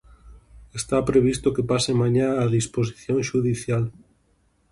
Está previsto que pase mañá a disposición xudicial.